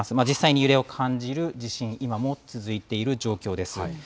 実際に揺れを感じる地震、今も続いている状況です。